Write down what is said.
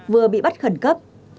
vừa bị bắt khẩn cấp